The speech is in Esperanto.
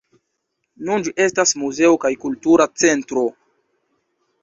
Nun ĝi estas muzeo kaj kultura centro.